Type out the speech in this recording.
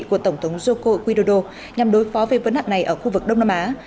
của tổng thống joko widodo nhằm đối phó với vấn đạn này ở khu vực đông nam á